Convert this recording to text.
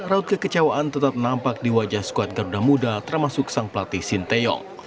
raut kekecewaan tetap nampak di wajah skuad garuda muda termasuk sang pelatih shin taeyong